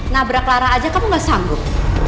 nabrak lara aja kamu gak sanggup